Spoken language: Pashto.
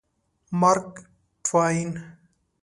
مارک ټواین